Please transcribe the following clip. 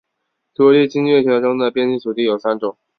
土地经济学中的边际土地有三种